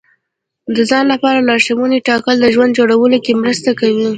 د ځان لپاره لارښوونې ټاکل د ژوند جوړولو کې مرسته کوي.